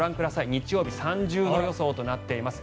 日曜日３０度予想となっています。